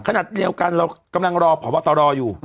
ขนาดเดียวกันเรากำลังรอผอบอตรออยู่